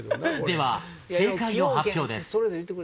では正解の発表です。